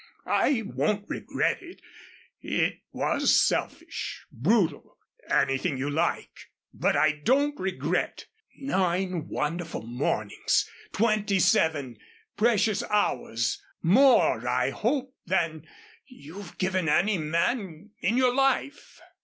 I won't regret it. It was selfish brutal anything you like. But I don't regret nine wonderful mornings, twenty seven precious hours more, I hope, than you've given any man in your life."